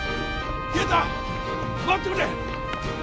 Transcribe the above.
啓太待ってくれ！